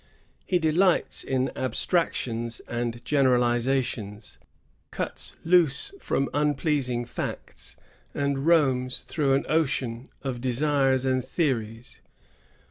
He delights in abstractions and generalizations, cuts loose from unpleasing facts, and roams through an ocean of desires and theories.